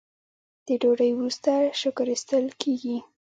د ډوډۍ وروسته شکر ایستل کیږي.